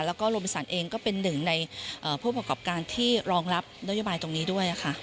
แล้วก็โรบินสันเองก็เป็นหนึ่งในผู้ประกอบการที่รองรับนโยบายตรงนี้ด้วยค่ะ